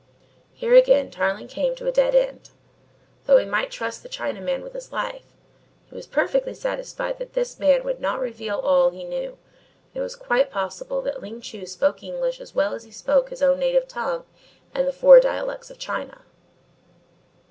Here again Tarling came to a dead end. Though he might trust the Chinaman with his life, he was perfectly satisfied that this man would not reveal all that he knew, and it was quite possible that Ling Chu spoke English as well as he spoke his own native tongue and the four dialects of China.